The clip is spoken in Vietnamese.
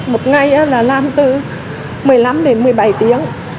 một ngày là làm từ một mươi năm đến một mươi bảy tiếng